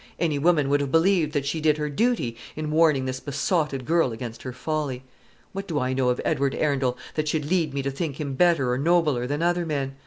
Any woman would have believed that she did her duty in warning this besotted girl against her folly. What do I know of Edward Arundel that should lead me to think him better or nobler than other men?